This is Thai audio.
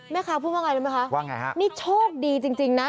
แม่ค้าพูดว่าอย่างไรแล้วไหมคะนี่โชคดีจริงนะ